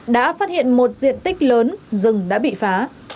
đã phát hiện một diện tích lớn rừng đã bị phá